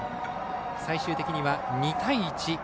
最終的には２対１。